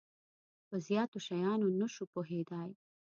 په زیاتو شیانو نه شو پوهیدای.